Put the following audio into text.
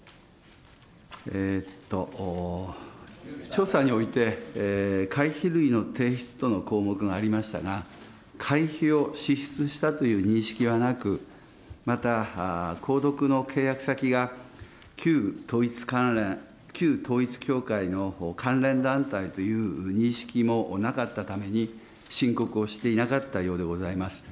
調査において、会費類の提出との項目がありましたが、会費を支出したという認識はなく、また、購読の契約先が旧統一関連、旧統一教会の関連団体という認識もなかったために、申告をしていなかったようでございます。